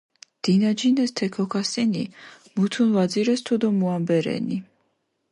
დინაჯინეს თე ქოქასჷნი, მუთუნ ვაძირეს თუდო მუამბე რენი.